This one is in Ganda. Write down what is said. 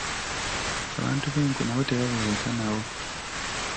Abantu b'enkwe nabo tebabeereka nabo.